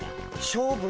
勝負？